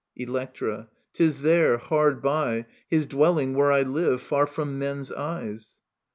Electra. *Tis there, hard by. His dwelling, where I live, far from men's eyes.